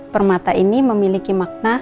permata ini memiliki makna